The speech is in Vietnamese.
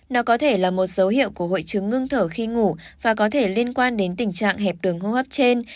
nó có thể là một dấu hiệu của hội chứng ngưng thở khi ngủ và có thể liên quan đến tình trạng hẹp đường hô hấp trên